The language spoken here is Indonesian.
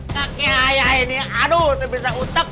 kakek ayah ini aduh terpisah utak